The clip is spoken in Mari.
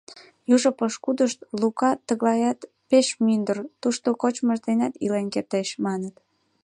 Южо пошкудышт «Лука тыглаят пеш мындыр, тошто кочмыж денат илен кертеш, — маныт.